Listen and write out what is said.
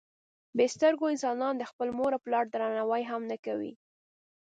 بې سترګو انسانان د خپل مور او پلار درناوی هم نه کوي.